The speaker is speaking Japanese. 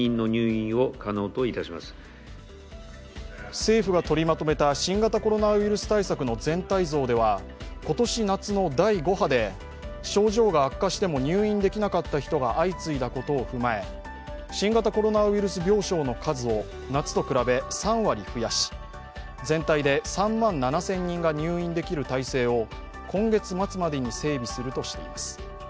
政府が取りまとめた新型コロナウイルス対策の全体像では今年夏の第５波で症状が悪化しても入院できなかった人が相次いだことを踏まえ新型コロナウイルス病床の数を夏と比べ３割増やし全体で３万７０００人が入院できる体制を今月末までに整備するとしています。